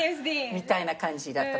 みたいな感じだった。